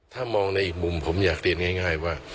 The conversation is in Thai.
ถ้ามองในอีกมุมผมอยากเรียนง่ายว่า